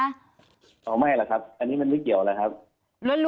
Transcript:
อ๋อไม่เหรอครับอันนี้มันไม่เกี่ยวเลยครับ